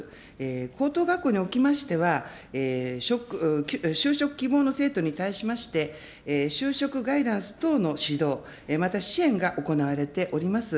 高等学校におきましては、就職希望の生徒に対しまして、就職ガイダンス等の指導、また支援が行われております。